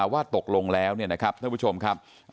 ว่าตกลงแล้วเนี่ยนะครับท่านผู้ชมครับ